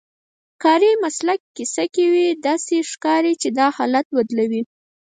کاري مسلک کیسه کوي، داسې ښکاري چې دا حالت بدلوي.